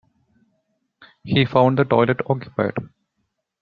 He found the toilet occupied.